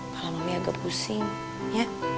malah mami agak pusing ya